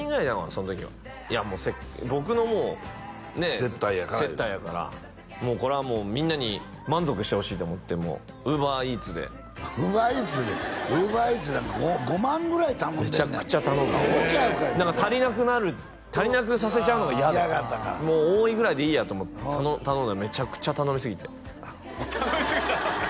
その時はいや僕のもうねえ接待やから接待やからこれはもうみんなに満足してほしいと思ってもうＵｂｅｒＥａｔｓでＵｂｅｒＥａｔｓでＵｂｅｒＥａｔｓなんか５万ぐらい頼んでんねんめちゃくちゃ頼んで何か足りなくなる足りなくさせちゃうのが嫌でもう多いぐらいでいいやと思って頼んだらめちゃくちゃ頼みすぎて頼みすぎちゃったんですか？